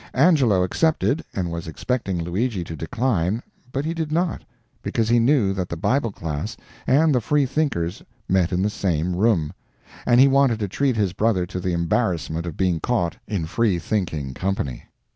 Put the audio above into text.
Angelo accepted, and was expecting Luigi to decline, but he did not, because he knew that the Bible class and the Freethinkers met in the same room, and he wanted to treat his brother to the embarrassment of being caught in free thinking company.